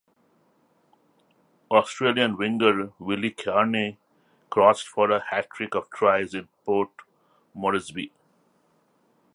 Australian winger Willie Carne crossed for a hat trick of tries in Port Moresby.